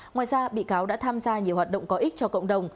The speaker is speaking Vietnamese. ngoài ra bị cáo đã tham gia nhiều hoạt động có ích cho cộng đồng